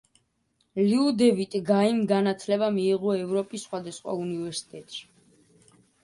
ლიუდევიტ გაიმ განათლება მიიღო ევროპის სხვადასხვა უნივერსიტეტში.